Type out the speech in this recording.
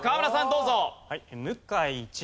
どうぞ。